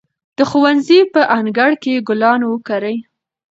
د ښوونځي په انګړ کې ګلان وکرئ.